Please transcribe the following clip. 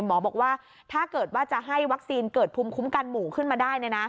บอกว่าถ้าเกิดว่าจะให้วัคซีนเกิดภูมิคุ้มกันหมู่ขึ้นมาได้